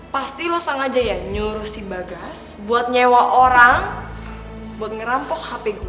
pasti lo sang aja ya nyuruh si bagas buat nyewa orang buat ngerampok hp gue